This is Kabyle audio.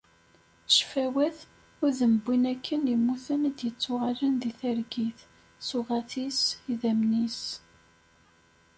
Cfawat, udem n winn akken immuten i d-yetuɣalen di targit, ssuɣat-is, idammen-is.